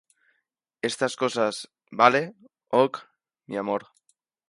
estas cosas, ¿ vale? ok, mi amor.